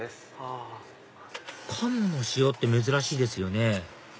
鴨の塩って珍しいですよね